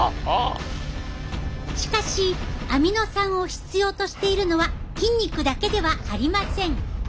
しかしアミノ酸を必要としているのは筋肉だけではありません。